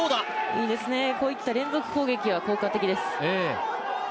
いいですね、こういった連続攻撃は効果的です。